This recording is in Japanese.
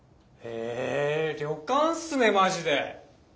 え旅館っすねマジで。